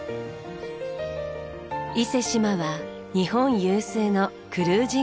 伊勢志摩は日本有数のクルージングゲレンデ。